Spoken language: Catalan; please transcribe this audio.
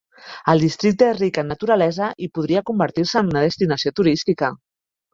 El districte és ric en naturalesa i podria convertir-se en una destinació turística.